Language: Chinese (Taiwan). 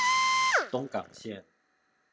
東港線